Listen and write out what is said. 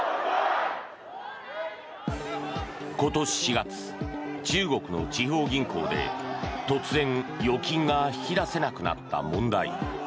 今年４月、中国の地方銀行で突然預金が引き出せなくなった問題。